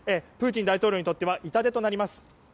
プーチン大統領にとっては痛手となります。